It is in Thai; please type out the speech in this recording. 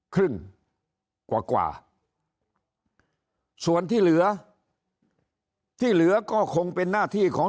ครึ่งกว่ากว่าส่วนที่เหลือที่เหลือก็คงเป็นหน้าที่ของ